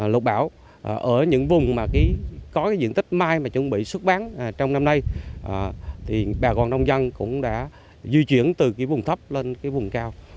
lục bão ở những vùng mà có cái diện tích mai mà chuẩn bị xuất bán trong năm nay thì bà con nông dân cũng đã di chuyển từ cái vùng thấp lên cái vùng cao